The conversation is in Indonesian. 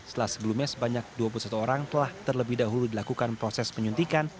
setelah sebelumnya sebanyak dua puluh satu orang telah terlebih dahulu dilakukan proses penyuntikan